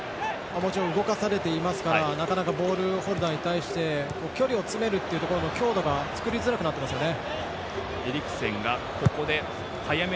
もちろん動かされてるのでなかなかボールホルダーに対して距離を詰めるところの強度が作りづらくなってますよね。